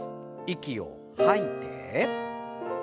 息を吐いて。